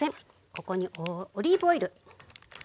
ここにオリーブオイル。